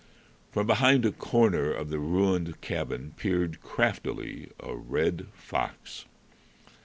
From behind a corner of the ruined cabin peered craftily a red fox.